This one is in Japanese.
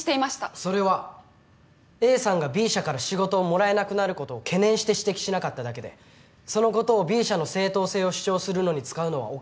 それはＡさんがＢ社から仕事をもらえなくなることを懸念して指摘しなかっただけでそのことをＢ社の正当性を主張するのに使うのはおかしいと思います。